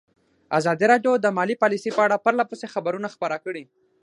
ازادي راډیو د مالي پالیسي په اړه پرله پسې خبرونه خپاره کړي.